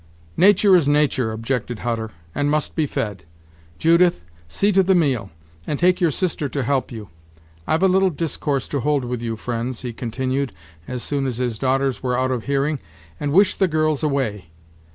"Natur' is natur'," objected Hutter, "and must be fed. Judith, see to the meal, and take your sister to help you. I've a little discourse to hold with you, friends," he continued, as soon as his daughters were out of hearing, "and wish the girls away.